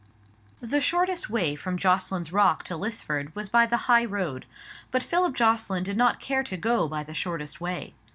The shortest way from Jocelyn's Bock to Lisford was by the high road, but Philip Jocelyn did not care to go by the shortest way.